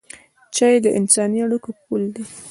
چای د انساني اړیکو پل دی.